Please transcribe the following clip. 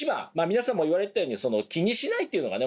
皆さんも言われてたように気にしないというのがね